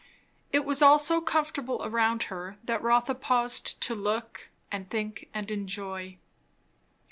It was all so comfortable around her that Rotha paused to look and think and enjoy.